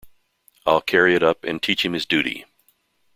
I'll carry it up, and teach him his duty.